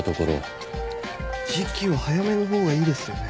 時期は早めの方がいいですよね？